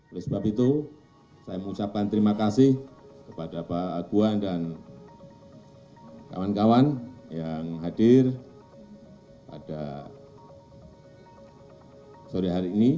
oleh sebab itu saya mengucapkan terima kasih kepada pak aguan dan kawan kawan yang hadir pada sore hari ini